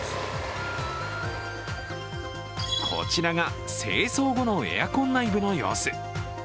こちらが清掃後のエアコン内部の様子。